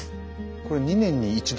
これ２年に一度？